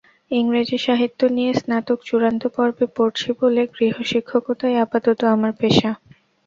ইংরেজি সাহিত্য নিয়ে স্নাতক চূড়ান্ত পর্বে পড়ছি বলে গৃহশিক্ষকতাই আপাতত আমার পেশা।